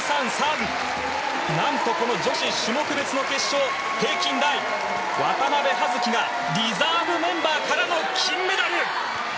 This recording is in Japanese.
何と、女子種目別の決勝平均台、渡部葉月がリザーブメンバーからの金メダル！